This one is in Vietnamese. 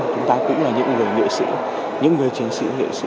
chúng ta cũng là những người nghệ sĩ những người chiến sĩ nghệ sĩ